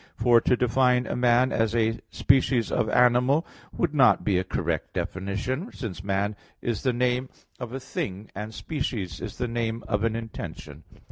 For to define a man as "a species of animal" would not be a correct definition; since man is the name of a thing, and species is a name of an intention.